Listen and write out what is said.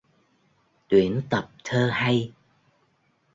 Tuyển tập thơ hay